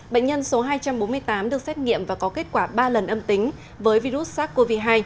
bệnh nhân số hai trăm bốn mươi tám được xét nghiệm và có kết quả ba lần âm tính với virus sars cov hai